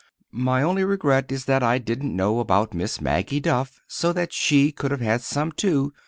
My only regret is that I didn't know about Miss Maggie Duff, so that she could have had some, too.